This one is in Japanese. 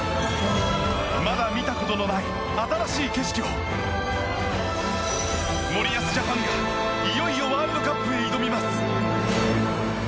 まだ見たことのない新しい景色を森保ジャパンが、いよいよワールドカップに挑みます。